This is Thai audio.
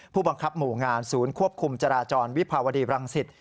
ผู้บังคับหมู่งานศูนย์ควบคุมจราจรวิภาวดีบรังสิต